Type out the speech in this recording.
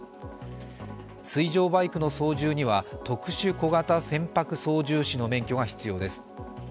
水上バイクの操縦には特殊小型船舶操縦士の免許が必要です。